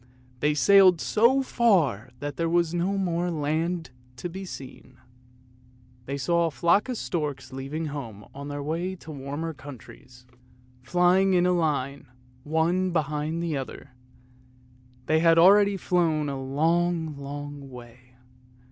They sailed so far that there was no more land to be seen. They saw a flock of storks leaving home OLE LUKOIE, THE DUSTMAN 353 on their way to the warm countries, flying in a line, one behind the other; they had already flown a long, long way.